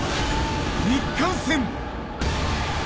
日韓戦。